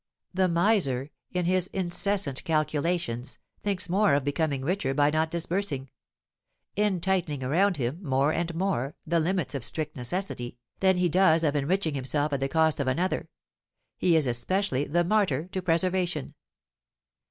The miser, in his incessant calculations, thinks more of becoming richer by not disbursing; in tightening around him, more and more, the limits of strict necessity, than he does of enriching himself at the cost of another; he is especially the martyr to preservation.